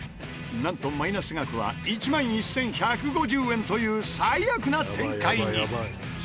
なんとマイナス額は１万１１５０円という最悪な展開に。